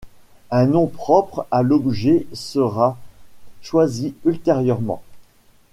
Un nom propre à l'objet sera choisi ultérieurement.